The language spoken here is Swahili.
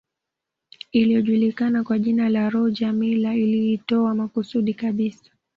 Iliyojulikana kwa jina la Roger Milla iliitoa makusudi kabisa